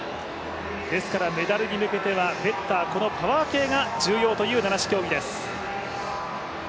ですからメダルに向けてはベッター、このパワー系が重要という七種競技です。